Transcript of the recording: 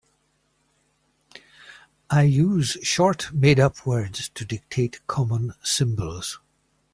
I use short made-up words to dictate common symbols.